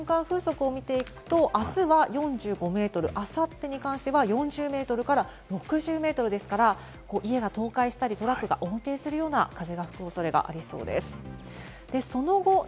最大瞬間風速を見ていくと、あすは４５メートル、あさってに関しては４０メートルから６０メートルですから、家が倒壊したり、トラックが横転するような風が吹く恐れがあります。